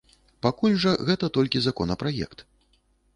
Пакуль жа, гэта толькі законапраект.